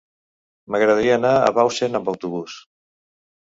M'agradaria anar a Bausen amb autobús.